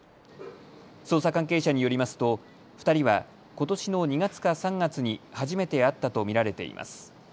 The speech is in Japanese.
捜査関係者によりますと２人はことしの２月から３月に初めて会ったと見られています。